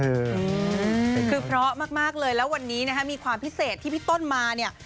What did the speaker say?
คือเพราะมากมากเลยแล้ววันนี้นะฮะมีความพิเศษที่พี่ต้นมาเนี่ย